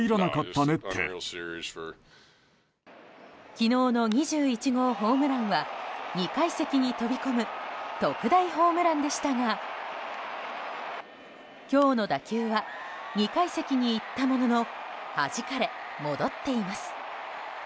昨日の２１号ホームランは２階席に飛び込む特大ホームランでしたが今日の打球は２階席に行ったもののはじかれ、戻っています。